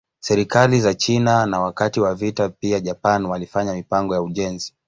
Serikali za China na wakati wa vita pia Japan walifanya mipango ya ujenzi.